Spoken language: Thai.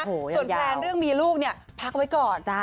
ส่วนแพลนเรื่องมีลูกเนี่ยพักไว้ก่อน